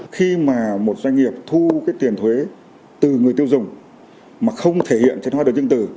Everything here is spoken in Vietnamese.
khi mà một doanh nghiệp thu cái tiền thuế từ người tiêu dùng mà không thể hiện trên hóa đơn chứng từ